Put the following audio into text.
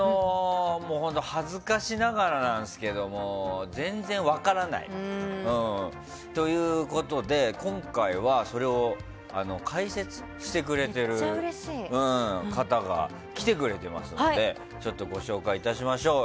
恥ずかしながらなんですけども全然分からないということで今回は、それを解説してくれている方が来てくれてますのでご紹介いたしましょう。